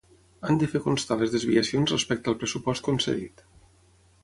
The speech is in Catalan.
Han de fer constar les desviacions respecte al pressupost concedit.